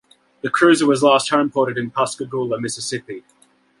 The cruiser was last homeported in Pascagoula, Mississippi.